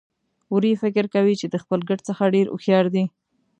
وری فکر کوي چې د خپل ګډ څخه ډېر هوښيار دی.